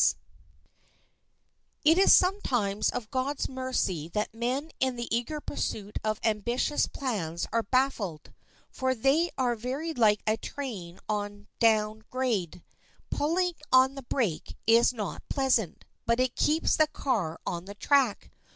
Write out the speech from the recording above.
] It is sometimes of God's mercy that men in the eager pursuit of ambitious plans are baffled; for they are very like a train on down grade—pulling on the brake is not pleasant, but it keeps the car on the track.